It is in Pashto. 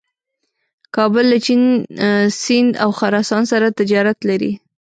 کابل له چین، سیند او خراسان سره تجارت لري.